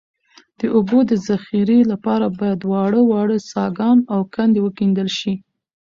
د اوبو د ذخیرې لپاره باید واړه واړه څاګان او کندې وکیندل شي